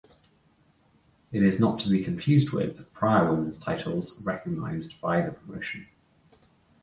It is not to be confused with prior women's titles recognized by the promotion.